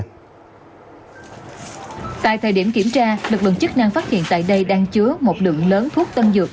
tại thời điểm kiểm tra lực lượng chức năng phát hiện tại đây đang chứa một lượng lớn thuốc tân dược